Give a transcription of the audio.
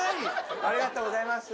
ありがとうございます。